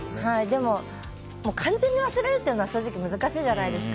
でも、完全に忘れるっていうのは正直難しいじゃないですか。